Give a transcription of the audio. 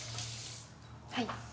はい。